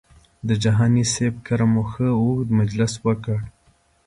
د جهاني صاحب کره مو ښه اوږد مجلس وکړ.